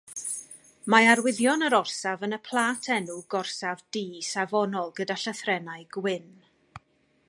Mae arwyddion yr orsaf yn y plât enw gorsaf du safonol gyda llythrennau gwyn.